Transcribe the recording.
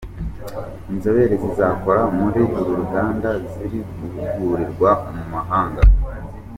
Inzobere zizakora muri uru ruganda ziri guhugurirwa mu mahanga.